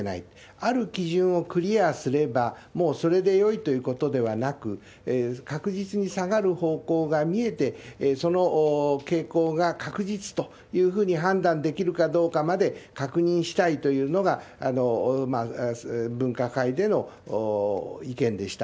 ある基準をクリアすれば、もうそれでよいということではなく、確実に下がる方向が見えて、その傾向が確実というふうに判断できるかどうかまで確認したいというのが、分科会での意見でした。